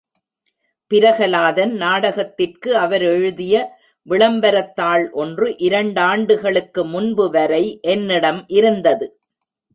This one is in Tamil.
பிரகலாதன் நாடகத்திற்கு அவர் எழுதிய விளம்பரத்தாள் ஒன்று இரண்டாண்டுகளுக்கு முன்புவரை என்னிடம் இருந்தது.